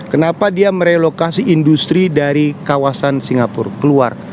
kenapa dia merelokasi industri dari kawasan singapura keluar